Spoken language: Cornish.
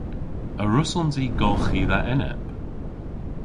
A wrussons i golghi dha enep?